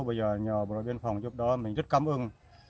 bây giờ nhờ bộ đội biên phòng giúp đó mình rất cảm ơn